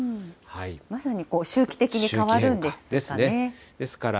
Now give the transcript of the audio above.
まさに周期的に変わるんですかね。